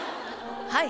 はい。